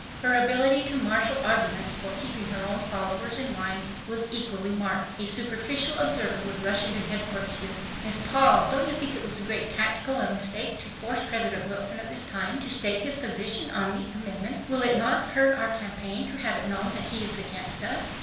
Her ability to marshal arguments for keeping her own followers in line was equally marked. A superficial observer would rush into headquarters with, "Miss Paul, don't you think it was a great tactical mistake to force President Wilson at this time to state his position on the amendment? Will it not hurt our campaign to have it known that he is against us?"